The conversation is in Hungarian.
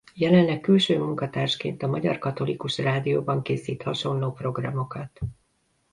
Jelenleg külső munkatársként a Magyar Katolikus Rádióban készít hasonló programokat.